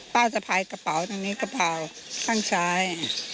สะพายกระเป๋าทางนี้กระเป๋าข้างซ้าย